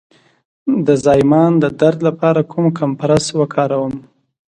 د زایمان د درد لپاره کوم کمپرس وکاروم؟